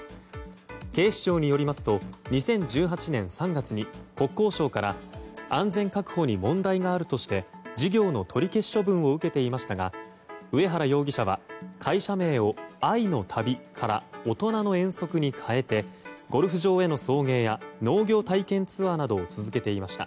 警視庁によりますと２０１８年３月に国交省から安全確保に問題があるとして事業の取り消し処分を受けていましたが上原容疑者は会社名を愛の旅からおとなの遠足に変えてゴルフ場への送迎や農業体験ツアーなどを続けていました。